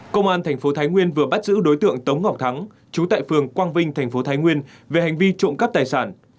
công an tp thái nguyên vừa bắt giữ đối tượng tống ngọc thắng trú tại phường quang vinh tp thái nguyên về hành vi trộm cắp tài sản